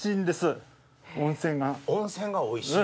温泉がおいしい？